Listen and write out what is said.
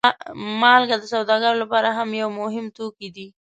مالګه د سوداګرو لپاره هم یو مهم توکی دی.